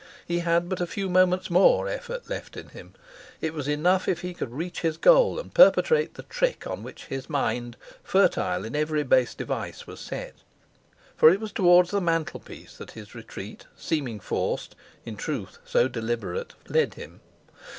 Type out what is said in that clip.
He had but a few moments' more effort left in him: it was enough if he could reach his goal and perpetrate the trick on which his mind, fertile in every base device, was set. For it was towards the mantelpiece that his retreat, seeming forced, in truth so deliberate, led him.